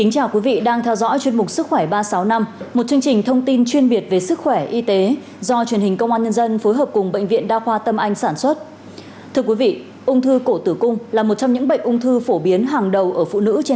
các bạn hãy đăng ký kênh để ủng hộ kênh của chúng mình nhé